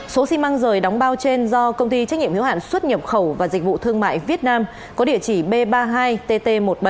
số xi măng rời đóng bao trên do công ty trách nhiệm hiếu hạn xuất nhập khẩu và dịch vụ thương mại việt nam có địa chỉ b ba mươi hai tt một trăm bảy mươi